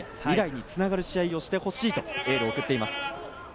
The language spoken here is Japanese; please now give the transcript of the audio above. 未来につながる試合をしてほしいとエールを送っています。